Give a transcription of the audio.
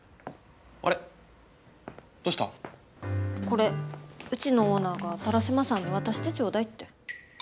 これうちのオーナーが田良島さんに渡してちょうだいって。